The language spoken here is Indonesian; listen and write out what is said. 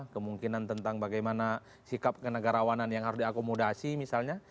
kemungkinan tentang bagaimana sikap kenegarawanan yang harus diakomodasi misalnya